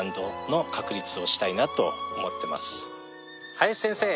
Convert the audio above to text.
林先生